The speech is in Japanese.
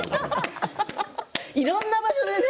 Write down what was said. いろんな場所で。